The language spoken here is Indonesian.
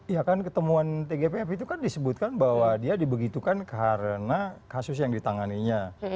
ya kan ketemuan tgpf itu kan disebutkan bahwa dia dibegitukan karena kasus yang ditanganinya